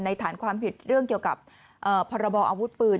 ฐานความผิดเรื่องเกี่ยวกับพรบออาวุธปืน